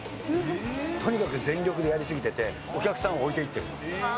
とにかく全力でやり過ぎてて、お客さんを置いていってる。